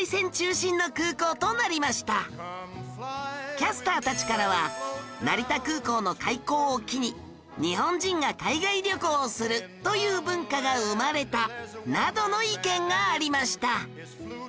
キャスターたちからは成田空港の開港を機に日本人が海外旅行をするという文化が生まれたなどの意見がありました